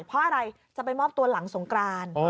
เพราะอะไรจะไปมอบตัวหลังสงกราน